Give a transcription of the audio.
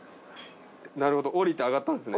なるほど下りて上がったんですね。